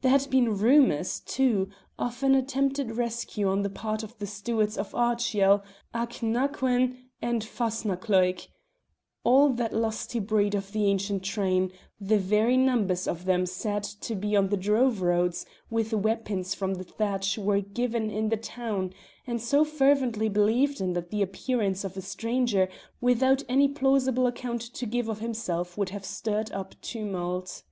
There had been rumours, too, of an attempted rescue on the part of the Stewarts of Ardshiel, Achnacoin, and Fasnacloich all that lusty breed of the ancient train: the very numbers of them said to be on the drove roads with weapons from the thatch were given in the town, and so fervently believed in that the appearance of a stranger without any plausible account to give of himself would have stirred up tumult.